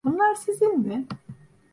Bunlar sizin mi?